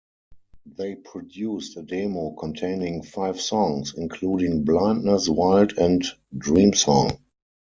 They produced a demo containing five songs, including "Blindness", "Wild", and "Dream Song".